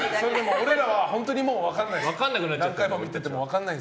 俺らは本当に分からないですから。